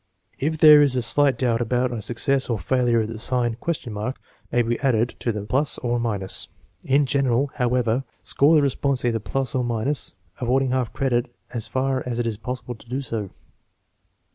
If there is a slight doubt about a success or failure the sign ? may be added to the + or . In general, however, score the response either + or , avoid ing half credit as far as it is possible to do so.